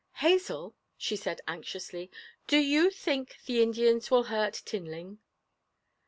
'Hazel,' she said anxiously, 'do you think the Indians will hurt Tinling?'